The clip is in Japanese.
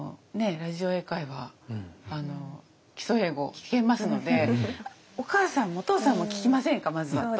「ラジオ英会話」「基礎英語」聴けますのでお母さんもお父さんも聴きませんかまずはと。